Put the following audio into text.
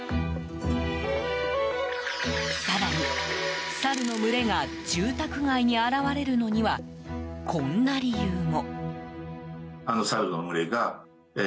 更に、サルの群れが住宅街に現れるのにはこんな理由も。